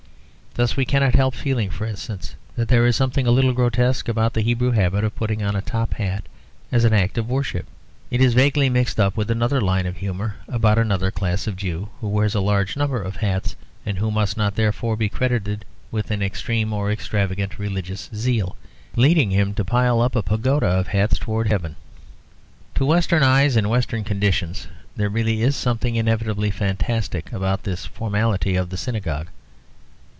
Thus we cannot help feeling, for instance, that there is something a little grotesque about the Hebrew habit of putting on a top hat as an act of worship. It is vaguely mixed up with another line of humour, about another class of Jew, who wears a large number of hats; and who must not therefore be credited with an extreme or extravagant religious zeal, leading him to pile up a pagoda of hats towards heaven. To Western eyes, in Western conditions, there really is something inevitably fantastic about this formality of the synagogue.